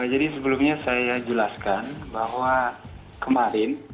jadi sebelumnya saya jelaskan bahwa kemarin